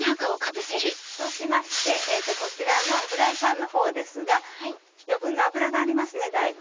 そうしましてこちらのフライパンのほうですが余分な油がありますねだいぶ。